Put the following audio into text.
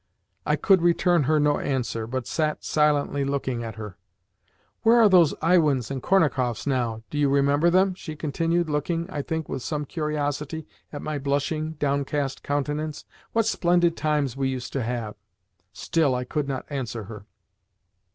I could return her no answer, but sat silently looking at her. "Where are those Iwins and Kornakoffs now? Do you remember them?" she continued, looking, I think, with some curiosity at my blushing, downcast countenance. "What splendid times we used to have!" Still I could not answer her.